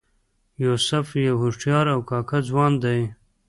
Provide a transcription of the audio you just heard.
یوسف یو هوښیار او کاکه ځوان دی.